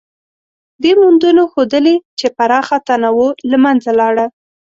دې موندنو ښودلې، چې پراخه تنوع له منځه لاړه.